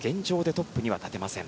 トップには立てません